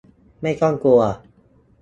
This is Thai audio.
ไม่ต้องกลัว !